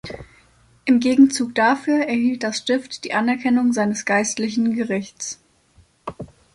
Im Gegenzug dafür erhielt das Stift die Anerkennung seines geistlichen Gerichts.